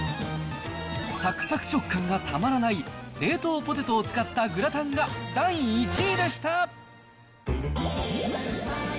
さくさく食感がたまらない、冷凍ポテトを使ったグラタンが第１位でした。